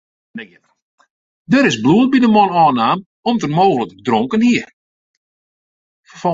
Der is bloed by de man ôfnaam om't er mooglik dronken hie.